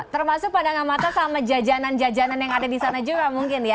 termasuk pandangan mata sama jajanan jajanan yang ada di sana juga mungkin ya